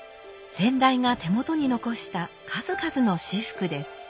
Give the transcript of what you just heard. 先代が手元に残した数々の仕覆です。